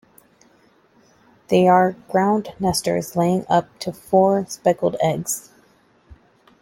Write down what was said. They are ground nesters, laying up to four speckled eggs.